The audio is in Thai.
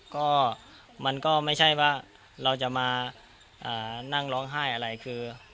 ก็มันก็ไม่ใช่ว่าเราจะมานั่งร้องไห้อะไรคือ